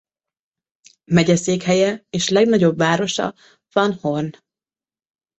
Megyeszékhelye és legnagyobb városa Van Horn.